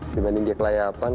dibanding dia kelayapan